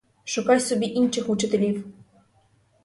Шукай собі інших учителів!